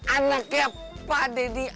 anaknya pa deddy avandi ma